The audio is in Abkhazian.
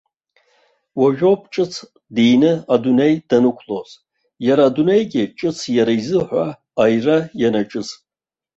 Уажәоуп ҿыц диины адунеи данықәлоз, иара адунеигьы ҿыц иара изыҳәа аира ианаҿыз.